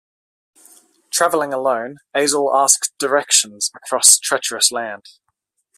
Travelling alone, Azel asks directions across treacherous land.